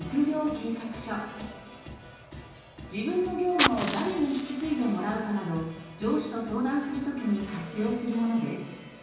自分の業務を誰に引き継いでもらうかなど上司と相談する時に活用するものです。